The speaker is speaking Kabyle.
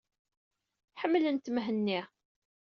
Ḥemmlent Mhenni.